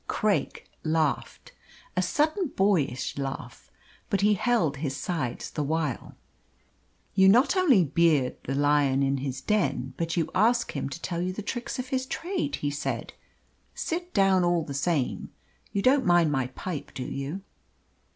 Craik laughed a sudden boyish laugh but he held his sides the while. "You not only beard the lion in his den, but you ask him to tell you the tricks of his trade," he said. "Sit down, all the same. You don't mind my pipe, do you?"